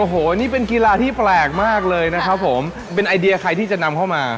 โอ้โหนี่เป็นกีฬาที่แปลกมากเลยนะครับผมเป็นไอเดียใครที่จะนำเข้ามา